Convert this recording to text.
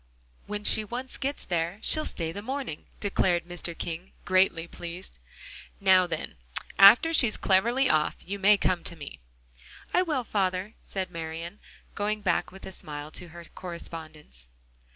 when she once gets there, she'll stay the morning," declared Mr. King, greatly pleased. "Now, then, after she's cleverly off, you may come to me." "I will, father," said Marian, going back with a smile to her correspondence.